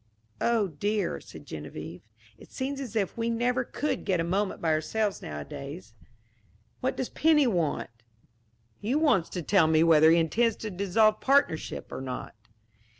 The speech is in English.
"Oh dear," said Geneviève, "it seems as if we never could get a moment by ourselves nowadays. What does Penny want?" "He wants to tell me whether he intends to dissolve partnership or not."